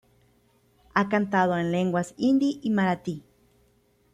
Ha cantando en lenguas Hindi y Marathi.